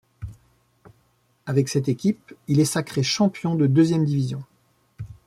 Avec cette équipe, il est sacré champion de deuxième division.